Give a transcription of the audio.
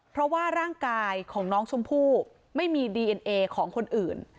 เพราะว่าร่างกายของน้องชมพู่ไม่มีดีเอ็นเอของคนอื่น